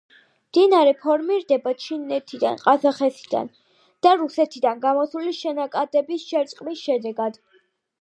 მდინარე ფორმირდება ჩინეთიდან, ყაზახეთიდან, და რუსეთიდან გამოსული შენაკადების შერწყმის შედეგად.